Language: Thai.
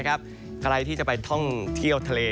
ใครที่จะไปท่องเที่ยวทะเล